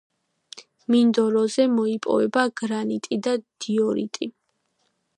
მინდოროზე მოიპოვება გრანიტი და დიორიტი.